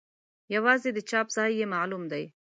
یوازې د چاپ ځای یې معلوم دی.